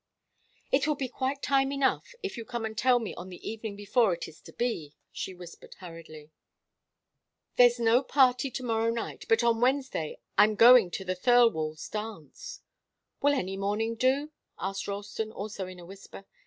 "It will be quite time enough, if you come and tell me on the evening before it is to be," she whispered hurriedly. "There's no party to morrow night, but on Wednesday I'm going to the Thirlwalls' dance." "Will any morning do?" asked Ralston, also in a whisper.